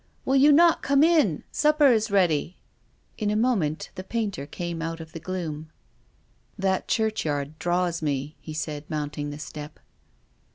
" Will you not come in ? Supper is ready." In a moment the painter came out of the gloom. " That churchyard draws me," he said, mount ing the step.